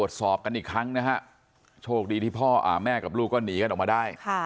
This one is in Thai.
กันอีกครั้งนะฮะโชคดีที่พ่อแม่กับลูกก็หนีกันออกมาได้